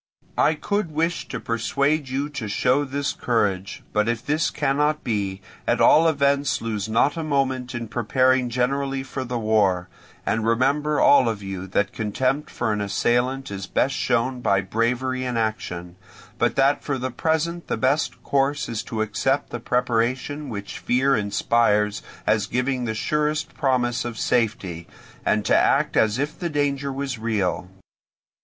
I could wish to persuade you to show this courage; but if this cannot be, at all events lose not a moment in preparing generally for the war; and remember all of you that contempt for an assailant is best shown by bravery in action, but that for the present the best course is to accept the preparations which fear inspires as giving the surest promise of safety, and to act as if the danger was real.